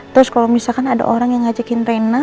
terus kalau misalkan ada orang yang ngajakin reyna